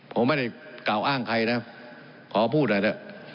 ผมไม่ได้ข่าวอ้างใครนะขอพูดอะไร